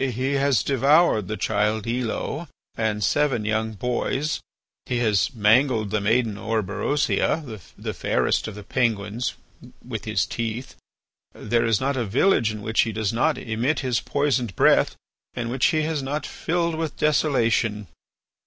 He has devoured the child Elo and seven young boys; he has mangled the maiden Orberosia, the fairest of the Penguins, with his teeth. There is not a village in which he does not emit his poisoned breath and which he has not filled with desolation.